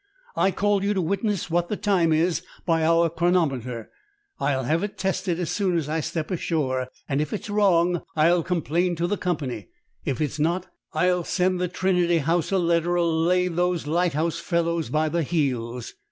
"I call you to witness what the time is by our chronometer. I'll have it tested as soon as I step ashore, and if it's wrong I'll complain to the Company; if it's not, I'll send the Trinity House a letter'll lay those lighthouse fellows by the heels!